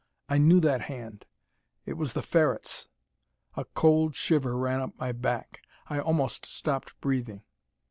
I knew that hand: it was the Ferret's! A cold shiver ran up my back. I almost stopped breathing.